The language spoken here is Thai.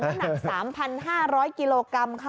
ถัดลึก๑๓มีหนัก๓๕๐๐กิโลกรัมค่ะ